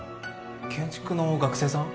建築の学生さん？